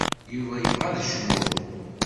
Yuba yebɣa ad cnuɣ.